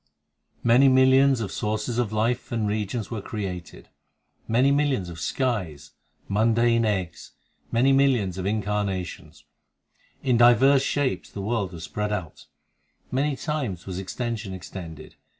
230 THE SIKH RELIGION 7 Many millions of sources of life and regions were created, Many millions of skies, mundane eggs, 1 Many millions of incarnations. In divers shapes the world was spread out ; 2 Many times was extension extended.